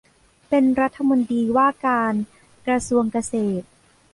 เป็นรัฐมนตรีว่าการกระทรวงเกษตร